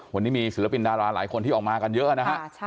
วันนี้มีศิลปินดาราหลายคนที่ออกมากันเยอะนะฮะ